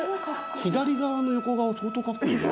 左側の横顔相当カッコいいね。